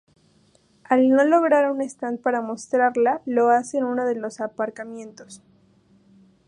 Al no lograr un stand para mostrarla, lo hace en uno de los aparcamientos.